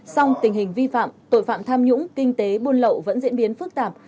song tình hình vi phạm tội phạm tham nhũng kinh tế buôn lậu vẫn diễn biến phức tạp